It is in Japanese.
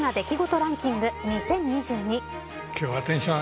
ランキング２０２２。